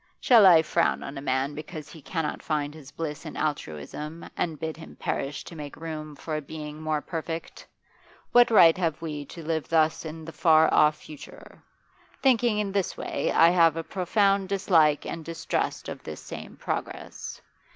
Shall I frown on a man because he cannot find his bliss in altruism and bid him perish to make room for a being more perfect? What right have we to live thus in the far off future? Thinking in this way, I have a profound dislike and distrust of this same progress.